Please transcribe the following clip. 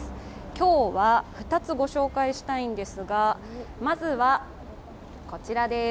今日は２つご紹介したいんですが、まずはこちらです。